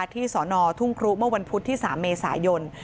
ที่สนทุ่งครุเมื่อวันพุธที่๓เมษายน